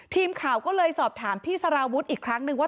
ทีมข่าวก็เลยสอบถามพี่สารวุฒิอีกครั้งนึงว่า